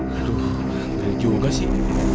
aduh gede juga sih